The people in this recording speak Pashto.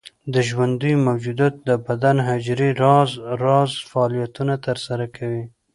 د ژوندیو موجوداتو د بدن حجرې راز راز فعالیتونه تر سره کوي.